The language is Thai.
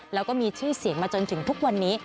แล้วก็มีชื่อเสียงมาจนถึงทุกวันนี้